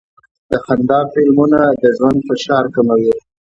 د خندا فلمونه د ژوند فشار کموي.